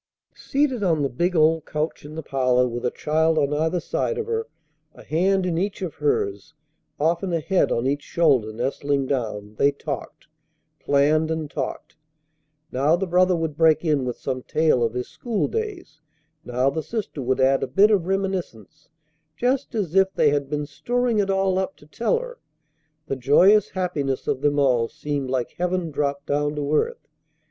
Seated on the big old couch in the parlor with a child on either side of her, a hand in each of hers, often a head on each shoulder nestling down, they talked. Planned and talked. Now the brother would break in with some tale of his school days; now the sister would add a bit of reminiscence, just as if they had been storing it all up to tell her. The joyous happiness of them all seemed like heaven dropped down to earth.